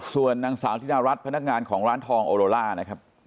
ส่วนนางสาวธินรัฐพนักงานของร้านทองโอโลล่านะครับ